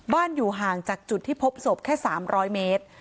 อยู่ห่างจากจุดที่พบศพแค่๓๐๐เมตร